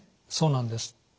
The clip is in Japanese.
そうなんです。